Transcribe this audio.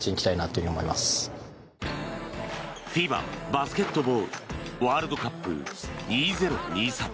ＦＩＢＡバスケットボールワールドカップ２０２３。